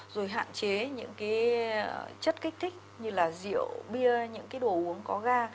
rồi hạn chế những chất kích thích như là rượu bia những đồ uống có ga